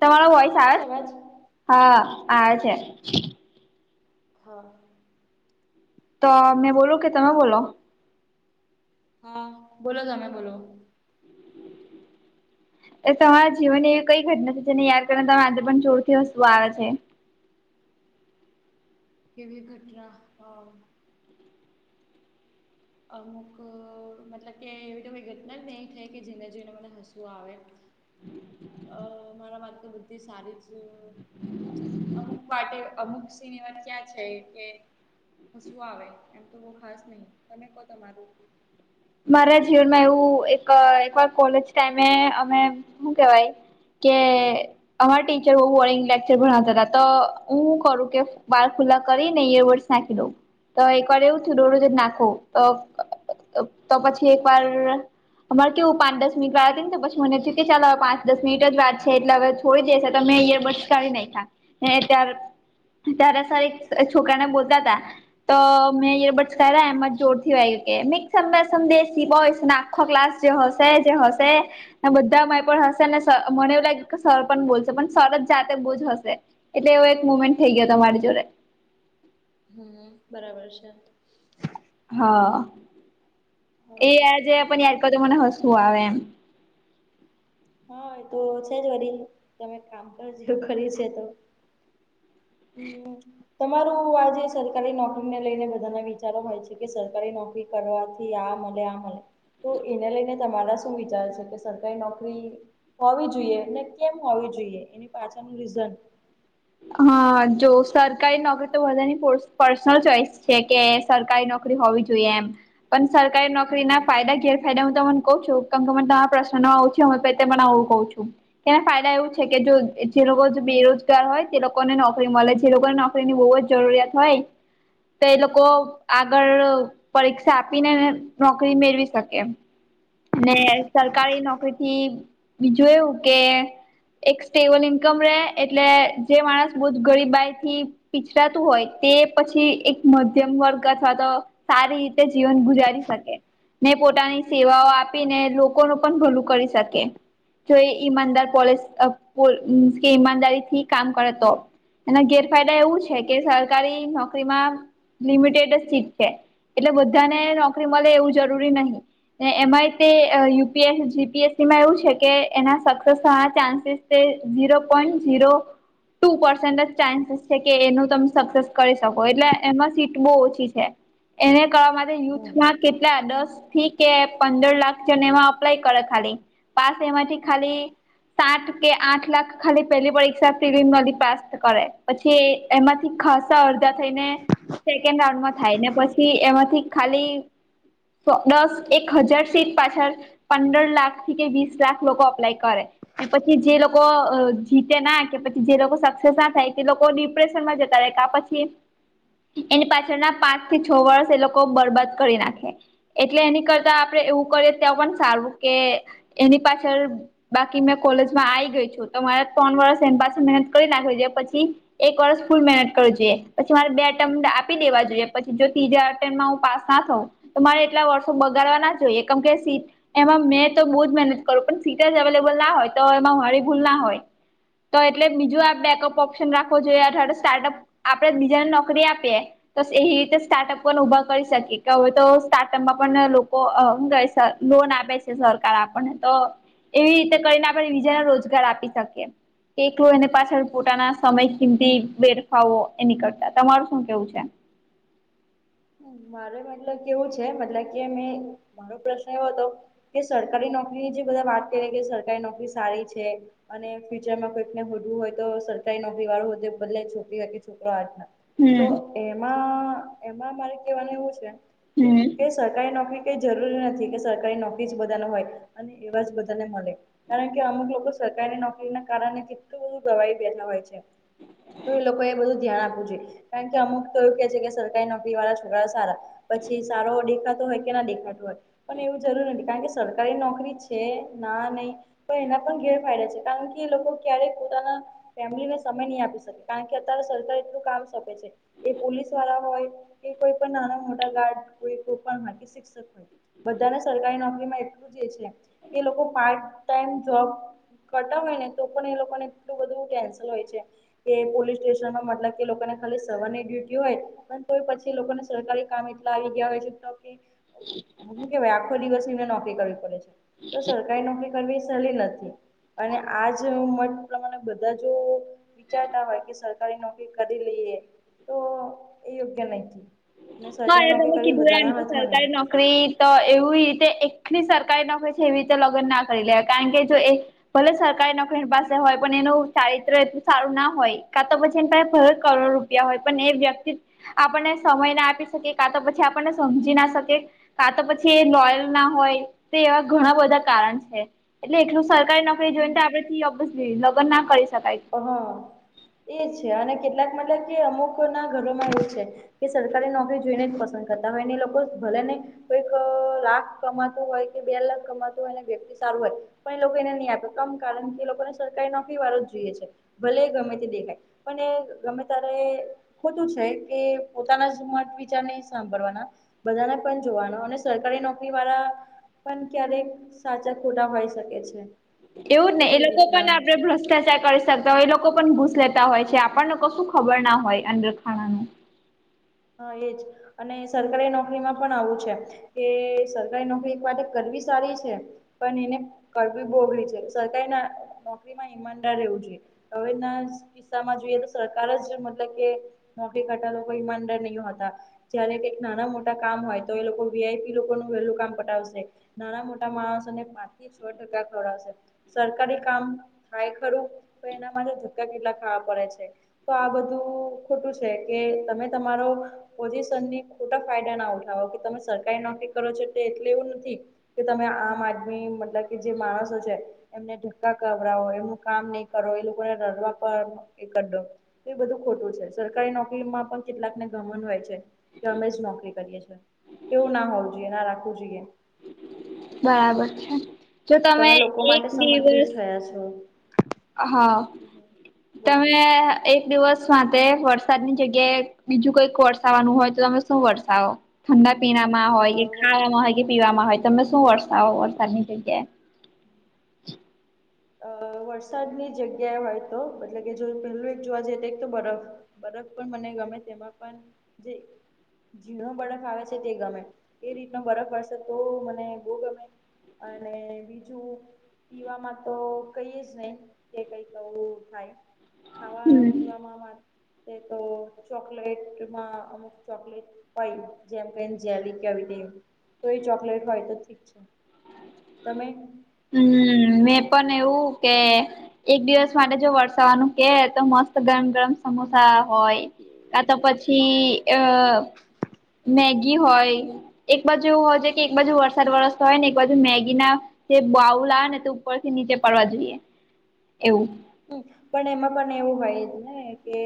તમારો વોઈસ આવે છે છ? અવાજ? હા આવે છે. હા. તો મેં બોલું કે તમે બોલો? હા. બોલો તમે બોલો. એ તમારા જીવનની એવી કઈ ઘટના છે જેને યાદ કરીને તમારે આજે પણ જોરથી હસું આવે છે? કેવી ઘટના હ? અમુક મતલબ કે એવી તો કોઈ ઘટના જ નઈ થઈ કે જેને જોઈને મને હસવું આવે. અ મારા માટે તો બધી સારી જ અમુક માટે અમુક સિન એવા થ્યાં છે કે હસવું આવે. એમ તો બો ખાસ નહી. તમે કહો તમારું. મારા જીવનમાં એવું એક-એકવાર કોલેજ ટાઈમે અમે હું કેવાય કે અમારા ટીચર બો બોરિંગ લેક્ચર ભણવતા હતા તો હું કરું કે બાળ ખુલ્લા કરીને ઇયર બર્ડ્સ નાખી દઉ. તો એક વાર એવું થ્યુતુડુ જે નાખુ. તો તો પછી એક વાર અમાર કેવું પાચ દસ મિનિટ વાર હતી ન તો પછી મને થયું કે ચાલ હવે પાંચ દસ મિનિટ જ વાર છે એટલે હવે થોડી દેશે તો મે ઈયર બર્ડ્સ કાઢી નાખ્યા ને ત્યાર ત્યારે સર એક છોકરાને બોલતા તા તો મેં ઈયર બર્ડ્સ કાઢ્યા એમાં જોરથી વાગ્યું કે મેક સમ નોઇસ દેશી બોયઝ અને આખો ક્લાસ જે હસે જે હસે. ને બધા માર હસે ને સર મને એવું લાગ્યું કે સર પણ બોલશે પણ સર જ જાતે બો જ હસે. એટલે એવો એક મુમેન્ટ થઈ ગયો તો મારી જોડે. હમ્મ. બરાબર છે. હા. એ હા. આજે યાદ કરું તો મને હસું આવે એમ. હા તો છે જ વરી. તમે કામ જ એવું કર્યું છે તો. હમ. તમારું આ જે સરકારી નોકરીને લઈને બધાના વિચારો હોય છે કે સરકારી નોકરી કરવાથી આ મલે, આ મલે તો એને લઈને તમારા શું વિચાર છે કે સરકારી નોકરી રી હોવી જોઈએ ને કેમ હોવી જોઈએ એની પાછળનું રીઝન. હા, જો સરકારી નોકરી તો બધાની પર્સનલ ચોઈસ છે કે સરકારી નોકરી હોવી જોઈ એમ પણ સરકારી હમ નોકરીના હમ ફાયદા ગેર હેંડો હું તમન કઉ છું કમ કે મને તમાર પ્રશ્નનો આવું થ્યું તે મને આવું કઉ છું. એને ફાયદા એવું છે કે જો જે લોકો જ બેરોજગાર હોય તે લોકોને નોકરી મળે જે લોકોને નોકરીની બઉ જ જરૂરિયાત હોય ત એ લોકો આગળ પરીક્ષા આપીને નોકરી મેળવી શકે. ને સરકારી નોકરીથી બીજું એવું કે એક સ્ટેબલ ઇન્કમ રે એટલે જે માણસ બો જ ગરીબાઈથી પીછડાતું હોય તે પછી એક મધ્યમ વર્ગ અથવા તો સારી રીતે જીવન ગુજારી શકે ને પોતાની સેવાઓ આ પીને લોકોનું પણ ભલું કરી શકે. જો એ ઈમદાર પોલેસ અ પો મીન્સ કે ઈમાનદારીથી કામ કરે તો. એના ગેરફાયદા એવું છે કે હમ સરકારી નોકરીમાં લિમિટેડ જ સીટ છે એટલે બધાને નોકરી મળે એવું જરૂરી નહીં. ને એમાંય તે યુપીએસી જીપીએસસીમાં એવું છે કે એના સક્સેસ થવાના ચાન્સીસ તે zero point zero two percentage chances છે, કે એનું તમે સક્સેસ કરી શકો એટલે એમાં સીટ બો ઓછી છે. એને કરવા માટે હમ હમ યુથમાં કેટલા દસથી કે પંદર લાખ [unintelligible] અપ્લાય કરે ખાલી પાસ એમાંથી ખાલી સાત કે આઠ લાખ ખાલી પેલી પરીક્ષા [unintelligible] પ્રાસત કરે પછી એમાંથી ખ સા અરધા થઈને સેકન્ડ રાઉન્ડમાં થાય ને પછી એમાંથી ખાલી સો દસ એક હજાર સીટ પાછળ પંદર લાખથી કે વીસ લા લોકો અપ્લાય કરે ને પછી જે લોકો જીતે ના કે પછી જે લોકો સક્સેસના થાય તે લોકો ડિપ્રેશનમાં જતા રેય કા પછી એની પાછળના પાંચ થી છ વર્ષ એ લોકો બરબાદ કરી નાખે એટલે એની કરતા આપડે એવું કરીએ ત્યાં પણ સારું કે એની પાછળ બાકી મેં કોલેજમાં આવી ગઈ છું તો મારે ત્રણ વર્ષ એમ પાસે મહેનત કરી નાખે છે, જે પછી એક વર્ષ ફૂલ મહેનત કરવી જોઈએ પછી મારે બે એટેમ આપી દેવા જોઈએ પછી જો ત્રીજામાં હુ પા ના થઈ તો મારે એટલા વર્ષો બગાડવા ના જોઈએ કેમ કે સીટ એમાં મેં તો બો જ મહેનત કરું પણ સીટ અવેલેબલ ના હોય તો એમાં મારી ભૂલ ના હોય તો એટલે બીજું આ બેકઅપ ઓપ્શન રાખવો જોઈએ અથવાડ સ્ટાર્ટઅપ આપડે બીજાને નોકરી આપીએ તો એ રીતે સ્ટાર્ટઅપ પણ ઊભા કરી શકી કે હવે તો સ્ટાર્ટઅપમાં પણ લોકો [unintelligible] લોન આપે છે, સરકાર આપણને તો એવી રીતે કરીને આપણે બીજાને રોજગાર આપી શકીએ એકલો એને પાછળ પોતાના સમય કિમતી બેરફાવો એ નીકળતા તમારું શું કેવું છે? મારે મતલબ કેવું છે, મતલબ કે મેં મારો પ્રશ્ન એવો હતો કે સરકારી નોકરીની જે બધા વાત કરીએ કે સરકારી નોકરી સારી છે. અને ફ્યુચરમાં કોઈકને હોધવુ હોય તો સરકારી નોકરી વાળો હોય ભલે છોકરી છોકરો હાથના તો હમ એમાં એમાં મારે કેહેવાનું એવું છે, હમ [unintelligible] સરકારી નોકરી કઈ જરૂરી નથી કે સરકારી નોકરી જ બધા ને હોય અને એવા જ બધાને મલે કારણ કે અમુક લોકો સરકારી નોકરીના કારણે કેટલું બધું ગવાહી બેઠા હોય છે. તો એ લોકો એ બધું ધ્યાન આપવું જોઈએ કારણ કે અમુક તો એવું કે છે, કે સ [unintelligible] નોકરી વાળા છોકરા સારા પછી સારો દેખાતો હોય કે ના દેખાતો હોય પણ એવું જરૂર નથી કારણ કે સરકારી નોકરી છે, ના નહીં પણ એના પણ ગેરફાયદા છે, કારણ કે એ લોકો ક્યારેક પોતાના ફેમિલીને સમય ની આપી શકે કારણ કે અત્યારે સરકાર એટલું કામ સોપે છે, એ પોલીસ વાળા હોય કે કોઈ પણ નાના-મોટા ગાર્ડ કોઈ [unintelligible] શિક્ષક બધાને સરકારી નોકરીમાં એટલું જ એ છે, કે લોકો પાર્ટ ટાઈમ જોબ કરતા હોય ને તો પણ એ લોકોને એટલું બધું કેન્સલ હોય છે. કે પોલીસ સ્ટેશનમાં મતલબ કે લોકોને ખાલી સવારની ડ્યુટી હોય પણ તો પછી લોકોને સરકારી કામ એટલા આવી ગયા હોય છે, તો કે હુ કેવાય આખો દિવસ એમને નોકરી કરવી પડે છે, તો સરકારી નોકરી કરવી સહેલી નથી અને આજ મત પ્રમાણે બધા જો વિચારતા હોય કે સરકારી નોકરી કરી લઈએ તો એ યોગ્ય નયથી મેં હા એ સરકારી નોકરી તમે કરવી કીધું બધા એમ ના કે હાથમા નય સરકારી નોકરી તો એવી રીતે એકલી સરકારી નોકરી છે, એવી રીતે લગ્ન ના કરી લે કારણ કે જો એ ભલે સરકારી નોકરીની પાસે હોય પણ એનું ચારિત્ર એટલું સારું ના હોય કા તો પછી એ ભલે કરોડો [unintelligible] હોય પણ એ વ્યક્તિ આપણને સમય ના આપી શકે કા તો પછી આપણને સમજી ના શકે. મ કાં તો પછી એ લોયલ ના હોય તો એવા ઘણા બધા કારણ છે, એટલે એટલું સરકારી ન આપ જોઈને તો, આપડે ઓબ લગ્ન ના કરી શકાય. હા, એ છે, અને કેટલાક મતલબ કે, અમુકો ના ઘરોમાં એવું છે. કે સરકારી નોકરી જોઈને, જ પસંદ કરતા હોય, એને એ લોકો ભલેને. કોઈક લાખ કમાતું હોય કે, બે લાખ કમાતું હોય, વ્યક્તિ સારું હોય. પણ એ લોકો એને નહીં આપે કામ, કારણ કે લોકોને સરકારી નોકરી વાળો જ જોઈએ છે, ભલે ગમે તે દેખાય. પણ ગમે તારે. ખાતું છે કે, પોતાના જ મત વિચારને સાંભળવાના. બધાને પણ જોવાનું, અને સરકારી નોકરી વાળા. પણ ક્યારેક સાચા ખોડા હોય શકે છે. એવું જ તો ને, એ લોકો રીતના પણ આપડે છે ભ્રષ્ટાચાર કરે. તા હોય, એ લોકો પણ ઘુસ લેતા હોય છે, આપણને કશું ખબર ના હોય, અંદર ખાનાનું. હા, એજ. અને સરકારી નોકરીમાં પણ આવું છે કે, સરકારી નોકરી એક વાત કરવી સારી છે. પણ એને કરવી બોગલી છે, સરકારી નોકરી માં ઈમાનદાર રહેવું જોઈએ. હવે ના કિસ્સામાં જોઈએ, તો સરકાર જ મતલબ કે, નોકરી કરતા, લોકો ઈમાનદાર. હતા, જયારે કંઈક નાના-મોટા કામ હોય, તો એ લોકો વીઆઈપી લોકોનું વહેલું કામ પટાવશે. નાના-મોટા માણસોને પાંચ થી છો ટકા ખવડાવશે. સરકારી કામ થાય, ખરું, તો એના માટે ધક્કા કેટલા ખાવા પડે છે. તો આ બધું ખોટું છે કે, તમે તમારો ખોટા ફાયદા ના ઉઠાવો કે, તમે સરકારી નોકરી કરો છો, તે એટલે એવું નથી. કે તમે આમ આદમી મતલબ કે, જે માણસો છે. એમને ધક્કા કરવડાવો, એમનું કામ નહી કરો, એ લોકોને રરવા પણડો. એ બધું ખોટું છે, સરકારી નોકરીમાં પણ કેટલાકને. ગમન હોય છે, કે અમે જ નોકરી કરીએ છીએ, એવું ના હોવું જોઈએ, ના રાખવું જોઈએ. બરાબર છે, જો તમે લોકો એક માટે સમર્પિત દિવસ થયા છો? હા બોલો બોલો તમે એક દિવસ માટે વરસાદની જગ્યાએ. બીજું કઈક વરસાવવાનું હોય તો તમે શું વરસાવો. ઠંડા પીણામાં અ હોય કે ખાવામાં હોય કે પીવામાં હોય તમે શું વરસાવો વરસાદની જગ્યાએ. [unintelligible] અ વરસાદની જગ્યાએ હોય તો મતલ કે જો પેલું એક જોવા જઈએ તો એક તો બરફ. બરફ પણ મને ગમે તેમાં પણ જે. ઝીણો બરફ આવે છે તે ગમે એ રીતનો બરફ પડશે તો મને બહુ ગમે. અને બીજું પીવામાં. તો કઈ જ નહી કે કઈકવું થાય ખાવા હમ પીવાવામાંરે. તે તો ચોકલેટમાં અમુક ચોકલેટ. હોય જેમ જેલી કે આવી તો એ ચોકલેટ હોય તો ઠીક છે. તમે. હમ મેં પણ એવું કે. એક દિવસ માટે જો વરસાવાનું કે તો મસ્ત ગરમ ગરમ. સમોસા હોય કા તો પછી અ. મેગી હોય એક બાજુ એવું હોય જો કે એક બાજુ વરસાદ વરસતો હોય ને એક બાજુ મેગી ના. તે બાઉલા આવે ને તે ઉપરથી નીચે પડવા જોઈએ એવું. હમ પણ એમાં પણ એવું હોય જ ને કે.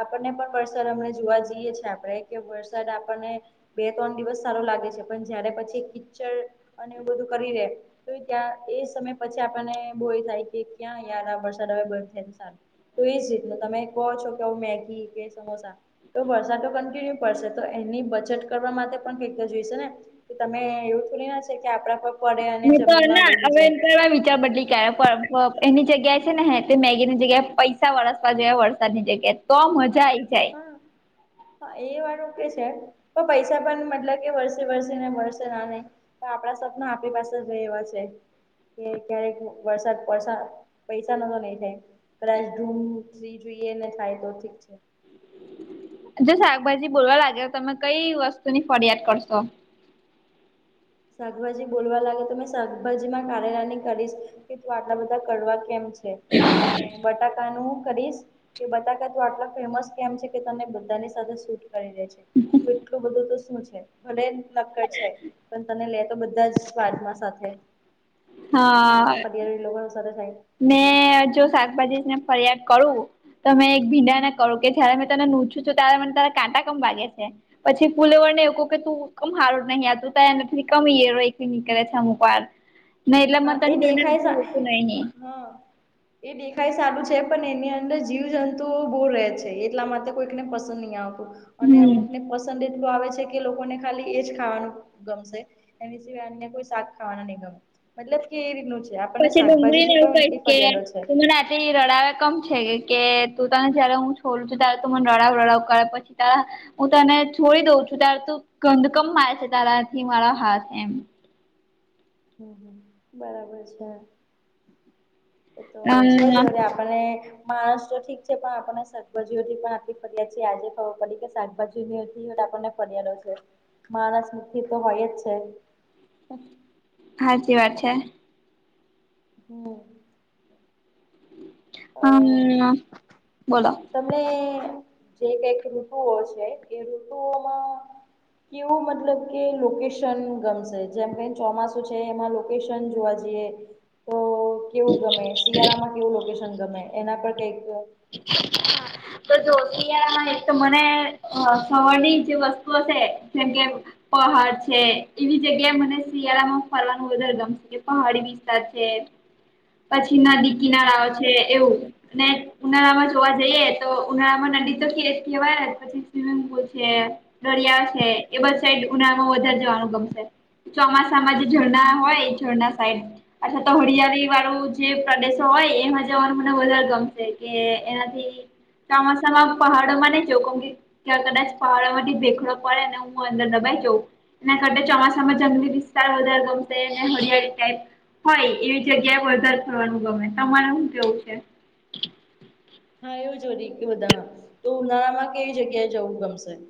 આપણને પણ વરસાદ અમને જોવા જઈએ છે આપણે કે વરસાદ આપણને. બે ત્રણ દિવસ સારો લાગે છે પણ જયારે પછી કીચડ અને એવું બધું કરી રે, તો ત્યાં એ સમય પછી આપણને બોય થાય કે ક્યાં યાર આ વ સારું, તો એજ રીતનું તમે કહો છો કે મેગી કે સમોસા. તો વરસાદ કન્ટિન્યુ પડશે તો એની બચત કરવા માટે પણ કઈક જોઈશે ને. કે તમે એવું છોલી ના છે કે આપડા પપ્પ હ તો ના હવે એ કરવા વિચાર બદલી પણ એની જગ્યાએ છે ને મેગીની જગ્યાએ પૈસા વરસવા જોએ વરસાદની જગ્યાએ. તો મજા આઈ જાય હા. હા એ વાળું કે છે, તો પૈસા પણ મતલબ કે વરસે વરસે ને વરસે ના નહી. તો આપણા સપના આપણી પાસે જ એવા છે. કે ક્યારેક વરસાદ વરસા પૈસા ન નઈ થાય. કદાચ ધૂમથી જોઈએ ને થાય તો ઠીક છે. જો શાકભાજી બોલવા લાગે તો તમે કઈ વસ્તુ ની ફરિયાદ કરશો? શાકભાજી બોલવા લાગે તો શાકભાજી માં કાર્યલાની કરીશ, કે તું આટલા બધા કરવા કેમ છે. અને બટાકાનું કરીશ. કે બતા તો આટલા ફેમસ કેમ છે કે તને બધાની સાથે શૂટ કરી દે છે. એટલું બધું તો શું છે, ભલે નક્કડ છે. પણ તને લે તો બધા જ આત્મા સાથે, તો હા આ લોકો સાથે થાય. મેં જો શાકભાજી ને ફરિયાદ કરું. તમે એક ભીંડા ના કરો કે જયારે મેં તને નૂછું છું ત્યારે મને ત કાંટા કમ વાગે છે. પછી ફૂલેવર ને એવ કહ કે તું કમ સારું નહીં આવતું ત એ નથી કમી એ એક નીકે છે અમુક. નહી એટલે મ હા ત એ જોઈને દેખાય ભ સા આવતું ન. હા એ દેખાય સારું છે પણ એની અંદર જીવ જંતુઓ બહુ રહે છે એટલા માટે કોઈકને પસંદ નહીં આવતું. અને અમુક હમ ને પસંદ એ આવે છે કે લોકોને ખાલી એજ ખાવાનું ગમશે. એની સિવાય અનને કોઈ શાક ખાવાના નહીં ગમે. મતલબ કે એ રીતનું છે આપણને પછી શાકભાજી ની ડુંગળીને એવું પણ કહીશ એટલી કે ફરિયાદો છે. તું મને રડાવે કમ છે કે તું તને જયારે હું છોડું છું ત્યારે તું મને રડાવ રડાવ કરે પછી ત હું તને છોડી દઉં છું ત્યારે ત ગંદકમ મારે છે તારાથી મારા હાથ એમ. હમ હ બરાબર છે, એતો છે જ અમ વધ અને માણસ તો ઠીક છે પણ આપણને શાકભાજીઓથી પણ આટલી ફરિયાદ છે આજે ખબર પડી કે શાકભાજી ની આપણને છે, માણસ મુથી તો હોય જ છે. સાચી વાત છે. હમ. અ હમ બોલો. તમને જે કક ઋતુ ઓ છે એ ઋતુઓમાં કેવું મતલબ કે લોકેશન ગમશે જેમ કે ચોમાસુ છે એમાં લોકેશન જોવા જઈએ. તો હ [inaudible] કેવું ગમે શિયાળામાં કેવું લોકેશન ગમે એના પર કઈક હા. તો જો શિયાળામાં એક તો મને સવરની જે વસ્તુઓ છે જેમ કે પહાડ છે એવી જગ્યા મને શિયાળામાં ફરવાનું વધારે ગમશે પહાડી પછી નદી કિનારાઓ છે એવું. ઉનાળામાં જોવા જઈએ તો ઉનાળામાં નદી તો કે કહેવાય પછી સ્વિમિંગ પુલ છે. દરિયા છે એ બધ સાઈડ ઉનાળમાં વધારે જવાનું ગમશે. ચોમાસામાં જે ઝરણા હોય એ રણા સાઈડ. અચ્છા તો હરિયાળી વાળું જે પ્રદેશો હોય એમાં જવાનું મને વધારે ગમશે. કે એનાથી ચોમાસામાં પહાડોમાં નને જોખમ. ત્યા કદાચ પહાડવામાંથી ભેખડો પડે ને હું અંદર દબાઈ જાઉં. એના કરતા ચોમાસામાં જંગલી વિસ્તાર વધારે ગમશે હરિયાળી ટાઈપ. હોય એવી જગ્યાએ વધારે થવાનું ગમે તમારે શું કેવું છે. હ. હા એવું જો હોરી બધામાં તો ઉનાળામાં કેવી જગ્યાએ જવું ગમશે.